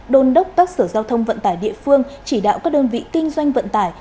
đôn đốc các sở giao thông vận tải địa phương chỉ đạo các đơn vị kinh doanh vận tải